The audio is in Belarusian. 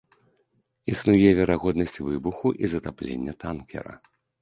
Існуе верагоднасць выбуху і затаплення танкера.